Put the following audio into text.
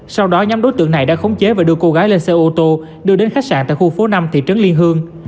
sau đó nhóm đối tượng này đã khống chế và đưa cô gái lên xe ô tô đưa đến khách sạn tại khu phố năm thị trấn liên hương